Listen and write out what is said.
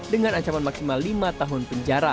dengan ancaman maksimal lima tahun penjara